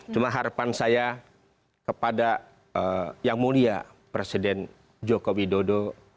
cuma harapan saya kepada yang mulia presiden joko widodo